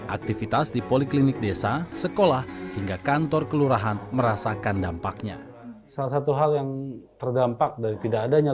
aktivitas di poliklinik desa sekolah hingga kantor kelurahan merasakan dampaknya